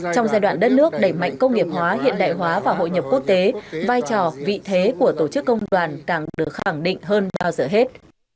trong giai đoạn đất nước đẩy mạnh công nghiệp hóa hiện đại hóa và hội nhập quốc tế vai trò vị thế của tổ chức công đoàn càng được khẳng định hơn bao giờ hết